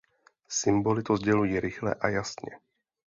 Symboly to sdělují rychle a jasně.